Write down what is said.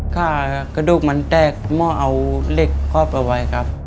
กระดูกมันแตกหม้อเอาเหล็กครอบเอาไว้ครับ